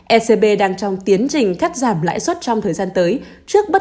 ecb đang trong tiến trình cắt giảm lãi xuất trong thời gian tới